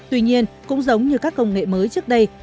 tuy nhiên cũng giống như các công nghệ mới trước đây